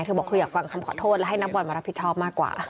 เธอบอกเธออยากฟังคำขอโทษและให้นักบอลมารับผิดชอบมากกว่า